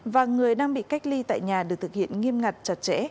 và người đang bị cách ly tại nhà được thực hiện nghiêm ngặt chặt chẽ